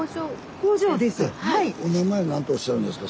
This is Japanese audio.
お名前なんとおっしゃるんですか？